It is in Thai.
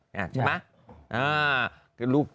ใช่ไหม